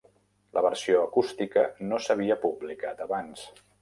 La versió acústica no s'havia publicat abans.